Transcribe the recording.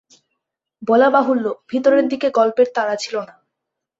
বলা বাহুল্য ভিতরের দিকে গল্পের তাড়া ছিল না।